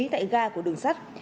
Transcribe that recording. tại ga của đường sắt